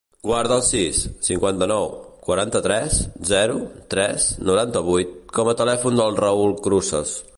Guarda el sis, cinquanta-nou, quaranta-tres, zero, tres, noranta-vuit com a telèfon del Raül Cruces.